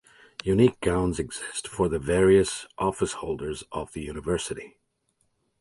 Unique gowns exist for the various office holders of the University.